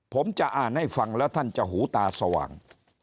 ผมจะอ่านให้ฟังแล้วท่านจะหูตาสว่าง